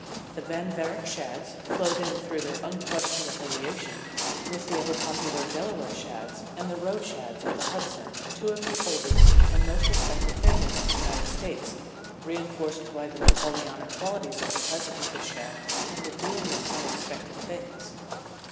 The Van Varick Shadds flowed in through their unquestioned affiliation with the ever popular Delaware Shadds and the Roe Shadds of the Hudson, two of the oldest and most respected families of the United States, reinforced by the Napoleonic qualities of the present Mrs. Shadd in the doing of unexpected things.